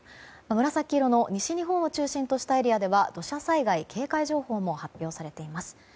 紫色の、西日本を中心としたエリアでは土砂災害警戒情報も発表されています。